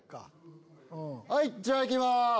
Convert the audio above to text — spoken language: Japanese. ・じゃあいきます！